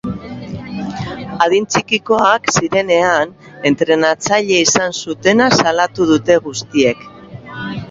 Adin txikikoak zirenean entrenatzaile izan zutena salatu dute guztiek.